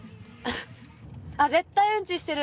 あっ絶対うんちしてる。